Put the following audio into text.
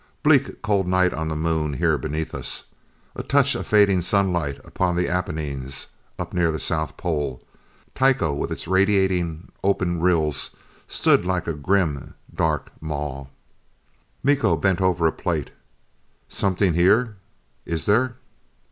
Bleak cold night on the Moon here beneath us. A touch of fading sunlight upon the Apennines. Up near the South Pole, Tycho with its radiating open rills stood like a grim dark maw. Miko bent over a plate. "Something here? Is there?"